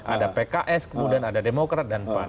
ada pks kemudian ada demokrat dan pan